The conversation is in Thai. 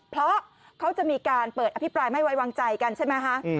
เพราะเขาจะมีการเปิดอภิปรายไม่ไว้วางใจกันใช่ไหมคะ